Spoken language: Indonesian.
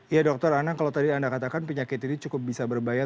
ya dokter anang kalau tadi anda katakan penyakit ini cukup bisa berbahaya